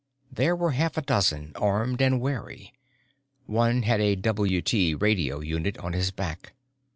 There were half a dozen, armed and wary. One had a WT radio unit on his back.